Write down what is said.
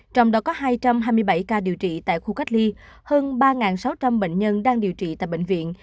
trong đó có hai trăm hai mươi bảy ca điều trị tại khu cách ly hơn ba sáu trăm linh bệnh nhân đang điều trị tại bệnh viện